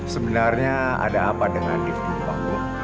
sebenarnya ada apa dengan div di bangun